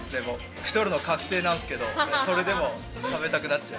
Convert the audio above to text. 太るの確定なんですけど、それでも食べたくなっちゃう。